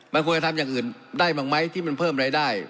มันควรจะทำอย่างอื่นได้บ้างไหมที่มันเพิ่มรายได้